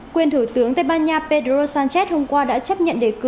quyền thủ tướng tây ban nha pedro sánchez hôm qua đã chấp nhận được một bài hỏi về hạ viện